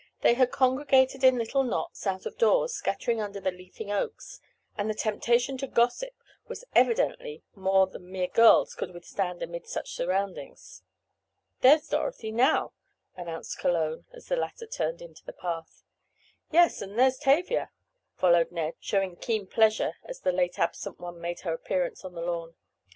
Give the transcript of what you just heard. They had congregated in little knots, out of doors, scattering under the leafing oaks, and the temptation to gossip was evidently more than mere girls could withstand amid such surroundings. "There's Dorothy now," announced Cologne, as the latter turned into the path. "Yes, and there's Tavia," followed Ned, showing keen pleasure as the late absent one made her appearance on the lawn.